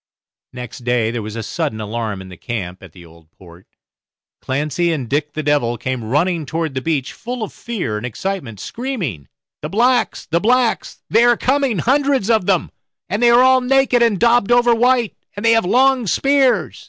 Next day there was a sudden alarm in the camp at the Old Port. Clancy and Dick the Devil came running toward the beach, full of fear and excitement, screaming, "The blacks, the blacks, they are coming, hundreds of them, and they are all naked, and daubed over white, and they have long spears."